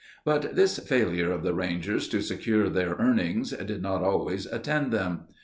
But this failure of the Rangers to secure their "earnings" did not always attend them.